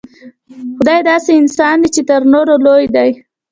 خدای داسې انسان دی چې تر نورو لوی دی.